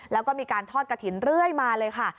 แล้วก็มีการทอดกระถิ่นเรื่อยมาเลยค่ะ